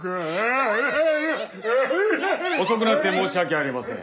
遅くなって申し訳ありません。